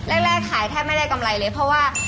แรกขายแทบไม่ได้กำไรเลยเพราะว่า